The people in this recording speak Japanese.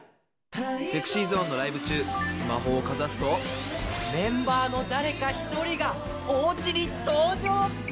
ＳｅｘｙＺｏｎｅのライブメンバーの誰か１人がおうちに登場。